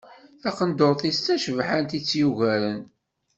Taqendur-is tacebḥant i tt-yugaren.